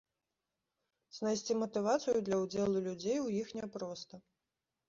Знайсці матывацыю для ўдзелу людзей у іх няпроста.